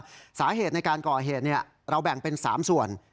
สาเหตุในการก่อเหตุเราแบ่งเป็น๓ส่วน